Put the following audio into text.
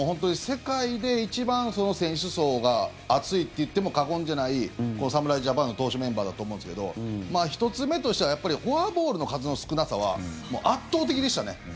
世界で一番選手層が厚いといっても過言じゃない侍ジャパンの投手メンバーだと思うんですけど１つ目としては、やっぱりフォアボールの数の少なさはもう圧倒的でしたね。